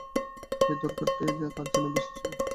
এই দরকারটাই তার যেন বেশি ছিল।